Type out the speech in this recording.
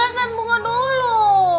dengarin penjelasan bunga dulu